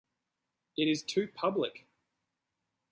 It is too public.